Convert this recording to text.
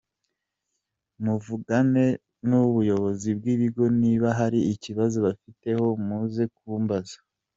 Muvugane n’ubuyobozi bw’ikigo niba hari ikibazo bamfiteho muze kumbaza.